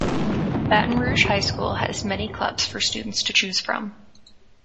Baton Rouge High School has many clubs for students to choose from.